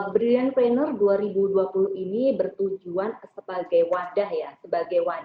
brilliant pranner dua ribu dua puluh ini bertujuan sebagai wadah ya